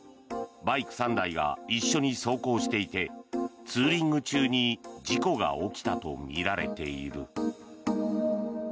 バイク３台が一緒に走行していてツーリング中に事故が起きたとみられている。